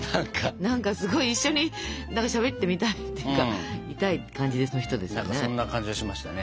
何かすごい一緒にしゃべってみたいっていうかみたい感じの人ですよね。